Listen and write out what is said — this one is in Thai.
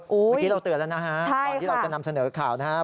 เมื่อกี้เราเตือนแล้วนะฮะก่อนที่เราจะนำเสนอข่าวนะครับ